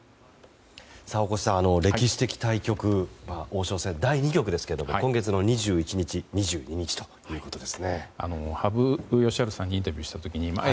大越さん、歴史的対局の王将戦第２局ですが今月２１日２２日ということです。